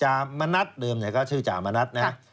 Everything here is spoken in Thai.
มณัฐเดิมเนี่ยก็ชื่อจามณัฐนะ